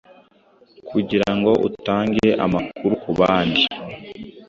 kugirango utange amakuru kubandi